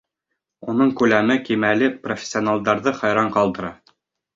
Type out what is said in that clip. Уның күләме, кимәле профессионалдарҙы хайран ҡалдыра.